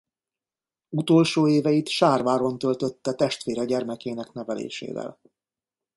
Utolsó éveit Sárváron töltötte testvére gyermekének nevelésével.